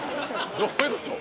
どういうこと？